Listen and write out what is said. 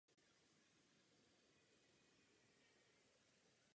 Ve svých dvaceti letech se přestěhovala do Londýna.